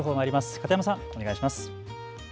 片山さん、お願いします。